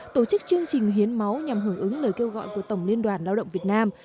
tổ chức chương trình hiến máu nhằm hưởng ứng lời kêu gọi của tổng liên đoàn lao động việt nam